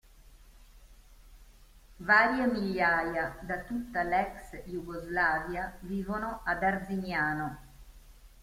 Varie migliaia, da tutta l'ex Jugoslavia, vivono ad Arzignano.